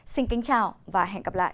xin kính chào và hẹn gặp lại